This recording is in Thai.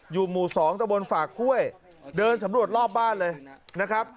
อยู่หมู่๒ตะบนฝากห้วยเดินสำรวจรอบบ้านเลยนะครับ